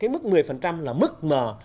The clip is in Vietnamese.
mức một mươi là mức mà